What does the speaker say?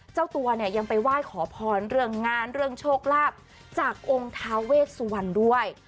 เจ้าตัวเนี่ยยังไปไหว้ขอพรเรื่องงานเรื่องโชคลาภจากองค์ท้าเวสวรรณด้วย